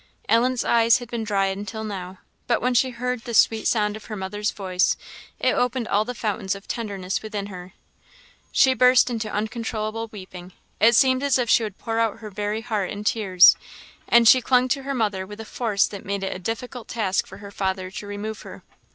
Ellen's eyes had been dry until now; but when she heard the sweet sound of her mother's voice, it opened all the fountains of tenderness within her. She burst into uncontrollable weeping; it seemed as if she would pour out her very heart in tears; and she clung to her mother with a force that made it a difficult task for her father to remove her.